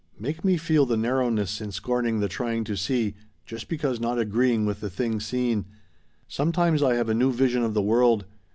Make me feel the narrowness in scorning the trying to see just because not agreeing with the thing seen. Sometimes I have a new vision of the world.